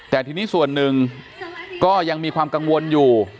แต่ทีนี้ส่วนหนึ่งก็ยังมีความกังวลอยู่